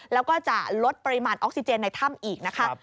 แล้วก็จะลดปริมาณออกซิเจนในถ้ำอีกนะคะ